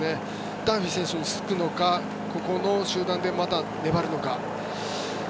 ダンフィー選手につくのかここの集団でまだ粘るのか。